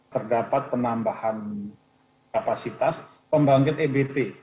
terdapat penambahan kapasitas pembangkit ebt